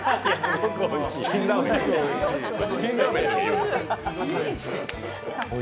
チキンラーメンみたい。